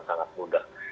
sekarang di kota kota besar